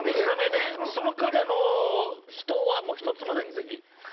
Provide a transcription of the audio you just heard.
その代わり秘湯はもう１つまでにぜひ。